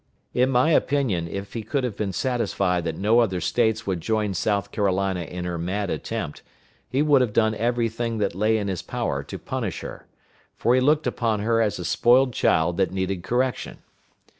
In my opinion, if he could have been satisfied that no other States would join South Carolina in her mad attempt, he would have done every thing that lay in his power to punish her; for he looked upon her as a spoiled child that needed correction.